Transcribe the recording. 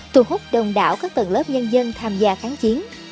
thu hút đồng đảo các tầng lớp dân dân tham gia kháng chiến